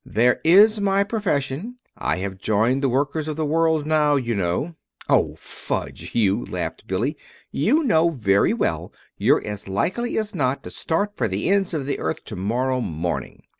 "There is my profession. I have joined the workers of the world now, you know." "Oh, fudge, Hugh!" laughed Billy. "You know very well you're as likely as not to start for the ends of the earth to morrow morning!"